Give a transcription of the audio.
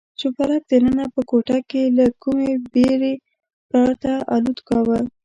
شوپرک دننه په کوټه کې له کومې بېرې پرته الوت کاوه.